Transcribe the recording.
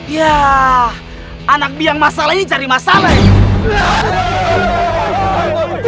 ya anak biang masalah ini cari masalah ya